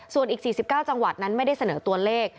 ส่วนอีก๔๙จังหวัดนั้นไม่ได้เสนอตัวเลข